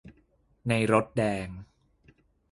ในรถแดง